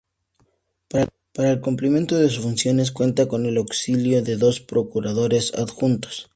Para el cumplimiento de sus funciones, cuenta con el auxilio de dos Procuradores adjuntos.